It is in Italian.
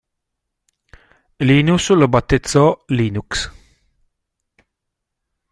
Linus lo battezzò Linux.